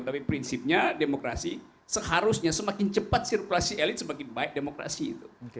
tapi prinsipnya demokrasi seharusnya semakin cepat sirkulasi elit semakin baik demokrasi itu